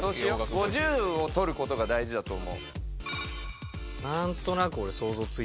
５０を取る事が大事だと思う。